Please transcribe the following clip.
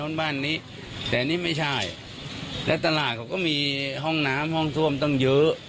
มันเหน่ากันแล้วง่าย